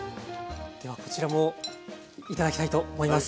ではこちらも頂きたいと思います。